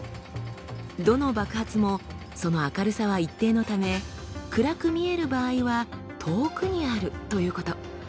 どの爆発もその明るさは一定のため暗く見える場合は遠くにあるということ。